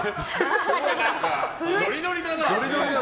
何かノリノリだな。